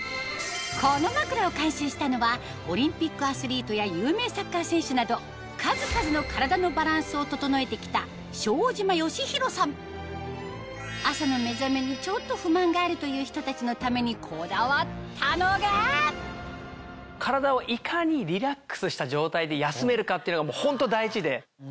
この枕を監修したのはオリンピックアスリートや有名サッカー選手など数々の体のバランスを整えて来た朝の目覚めにちょっと不満があるという人たちのためにこだわったのがっていうのがホント大事で。